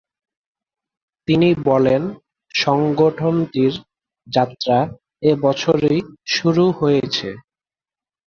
তিনি বলেন, সংগঠনটির যাত্রা এ বছরই শুরু হয়েছে।